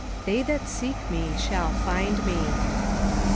"They that seek Me shall find Me."